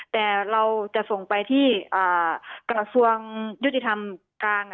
แต่เราจะส่งไปที่กระทรวงยุติธรรมกลาง